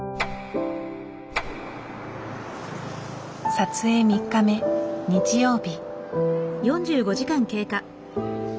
撮影３日目日曜日。